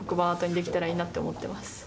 アートにできたらいいなと思っています。